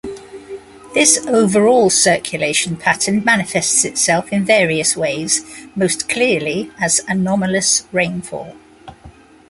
This overall circulation pattern manifests itself in various ways, most clearly as anomalous rainfall.